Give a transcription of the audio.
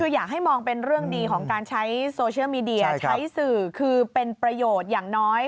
คืออยากให้มองเป็นเรื่องดีของการใช้โซเชียลมีเดียใช้สื่อคือเป็นประโยชน์อย่างน้อย